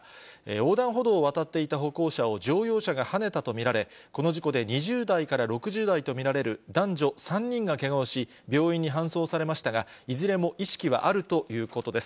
横断歩道を渡っていた歩行者を乗用車がはねたと見られ、この事故で２０代から６０代と見られる男女３人がけがをし、病院に搬送されましたが、いずれも意識はあるということです。